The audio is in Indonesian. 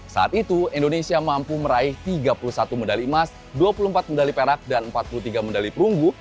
saat itu indonesia mampu meraih tiga puluh satu medali emas dua puluh empat medali perak dan empat puluh tiga medali perunggu